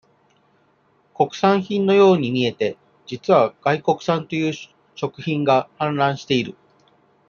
国産品のように見えて、実は外国産という食品が、氾濫している。